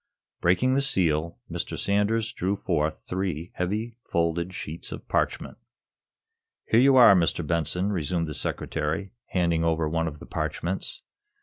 Breaking the seal, Mr. Sanders drew forth three heavy, folded sheets of parchment. "Here you are, Mr. Benson," resumed the Secretary, handing over one of the parchments.